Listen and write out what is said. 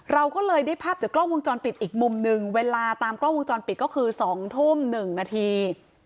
เราก็เลยได้ภาพจากกล้องวงจรปิดอีกมุมหนึ่งเวลาตามกล้องวงจรปิดก็คือ๒ทุ่ม๑นาที